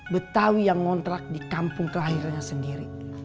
betawi yang ngontrak di kampung kelahirannya sendiri